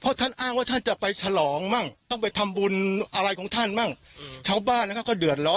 เพราะท่านอ้างว่าท่านจะไปฉลองมาก